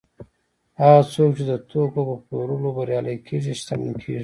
هغه څوک چې د توکو په پلورلو بریالي کېږي شتمن کېږي